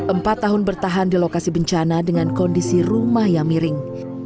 empat tahun bertahan di lokasi bencana dengan kondisi rumah yang miring